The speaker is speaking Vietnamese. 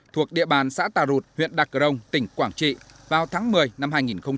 thuộc địa bàn xã tà rụt huyện đặc rồng tỉnh quảng trị vào tháng một mươi năm hai nghìn một mươi chín